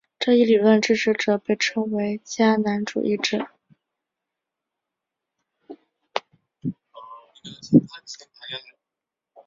这一理论的支持者被称作迦南主义者。